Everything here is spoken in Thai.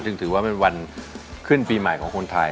ซึ่งถือว่าเป็นวันขึ้นปีใหม่ของคนไทย